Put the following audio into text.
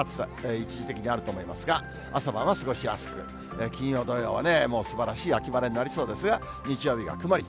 一時的にあると思いますが、朝晩は過ごしやすく、金曜、土曜はもうすばらしい秋晴れになりそうですが、日曜日が曇り。